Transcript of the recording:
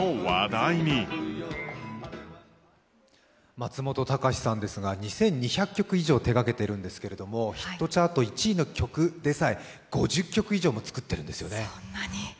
松本隆さんですが、２２００曲以上を手がけているんですけれども、ヒットチャート１位の曲でさえ５０曲以上も作っているんですよね。